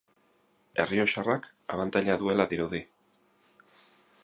Errioxarrak abantaila duela dirudi.